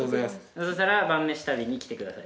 そしたら晩飯食べに来てください。